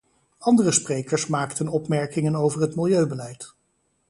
Andere sprekers maakten opmerkingen over het milieubeleid.